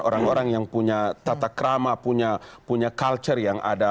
orang orang yang punya tatakrama punya culture yang ada